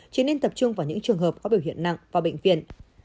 chỉ nên tập trung vào những trường hợp có biểu hiện nặng vào bệnh viện